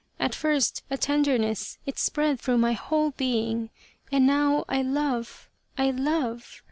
At first, a tender ness, it spread through my whole being, and now I love I love.